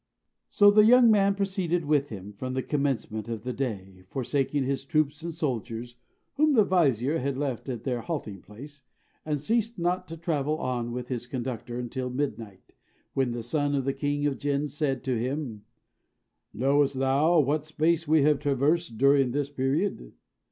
So the young man proceeded with him from the commencement of the day, forsaking his troops and soldiers (whom the vizier had left at their halting place), and ceased not to travel on with his conductor until midnight, when the son of the king of the Jinn said to him, "Knowest thou what space we have traversed during this period?"